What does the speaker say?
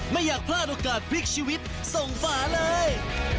ไม่อยากพลาดโอกาสพลิกชีวิตส่งฝาเลย